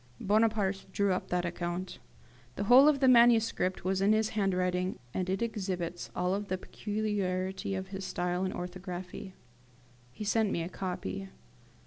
Bonaparte drew up that account. The whole of the manuscript was in his handwriting, and it exhibits all the peculiarity of his style and orthography. He sent me a copy.